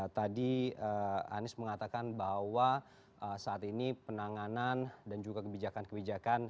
tadi anies mengatakan bahwa saat ini penanganan dan juga kebijakan kebijakan